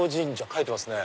書いてますね。